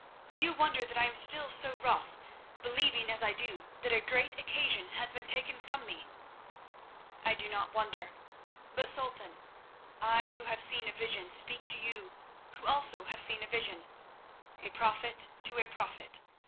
Do you wonder that I am still so wroth, believing as I do that a great occasion has been taken from me?" "I do not wonder. But, Sultan, I who have seen a vision speak to you who also have seen a vision—a prophet to a prophet.